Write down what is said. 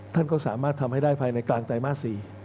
ท่านก็สามารถทำให้ได้ภายในกลางไตรมาส๔